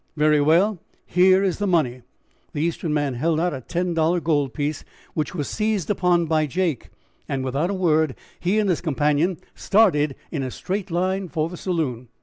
"Very well, here is the money." The Eastern man held out a ten dollar gold piece, which was seized upon by Jake, and without a word he and his companion started in a straight line for the saloon.